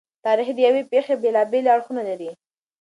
تاریخ د یوې پېښې بېلابېلې اړخونه لري.